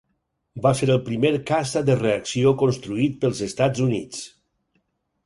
Va ser el primer caça de reacció construït pels Estats Units.